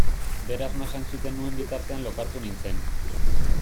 Bere arnasa entzuten nuen bitartean lokartu nintzen.